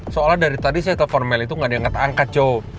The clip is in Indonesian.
soalnya dari tadi saya telepon mel itu nggak ada yang ngetangkat jo